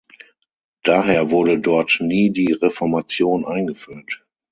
Daher wurde dort nie die Reformation eingeführt.